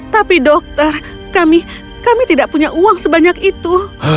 tapi dokter kami tidak punya uang sebanyak itu